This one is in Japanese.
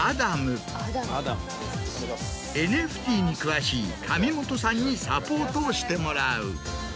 ＮＦＴに詳しい神本さんにサポートをしてもらう。